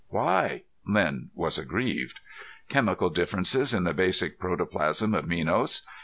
"Why?" Len was aggrieved. "Chemical differences in the basic protoplasm of Minos.